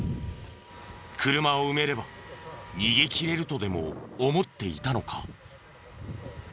車を埋めれば逃げ切れるとでも思っていたのか？